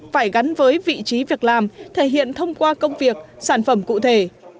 phải gắn với vị trí việc làm thể hiện thông qua công việc sản phẩm cụ thể